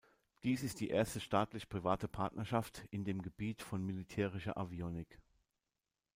Dies ist die erste staatlich-private Partnerschaft in dem Gebiet von militärischer Avionik.